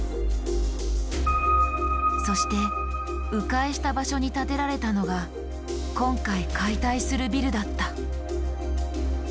そしてう回した場所に建てられたのが今回解体するビルだった。